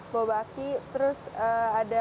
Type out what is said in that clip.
bawa baki terus ada